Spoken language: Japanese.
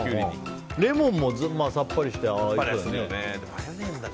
レモンもさっぱりして合いそうだよね。